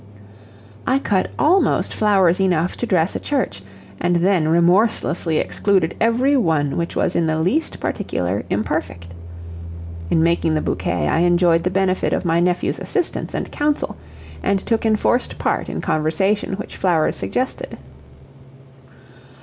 I cut almost flowers enough to dress a church, and then remorselessly excluded every one which was in the least particular imperfect. In making the bouquet I enjoyed the benefit of my nephews' assistance and counsel and took enforced part in conversation which flowers suggested.